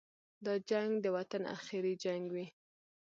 دا جنګ دې د وطن اخري جنګ وي.